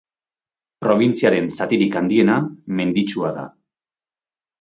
Probintziaren zatirik handiena menditsua da.